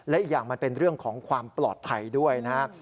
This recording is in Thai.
และอีกอย่างมันเป็นเรื่องของความปลอดภัยด้วยนะครับ